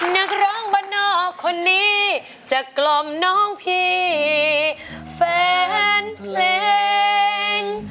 นักร้องบ้านนอกคนนี้จะกล่อมน้องพี่แฟนเพลง